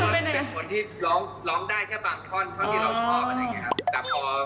เพราะเป็นคนที่ร้องได้แค่บางท่อนท่อนที่เราชอบ